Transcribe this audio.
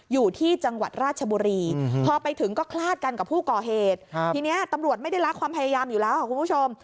อยู่ที่จังหวัดราชบุรีพอไปถึงก็คลาดกันกับผู้ก่อเหตุทีนี้ตำรวจไม่ได้รักความพยายามอยู่แล้วค่ะคุณผู้ชม